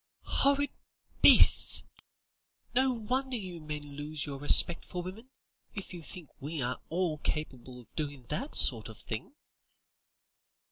"Horrid beasts! no wonder you men lose your respect for women, if you think we are all capable of doing that sort of thing."